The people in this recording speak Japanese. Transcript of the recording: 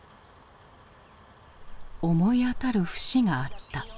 思い当たる節があった。